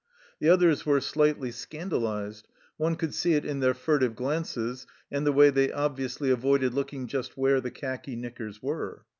The others were slightly 1 2 THE CELLAR HOUSE OF PERVYSE scandalized one could see it in their furtive glances, and the way they obviously avoided look ing just where the khaki knickers were.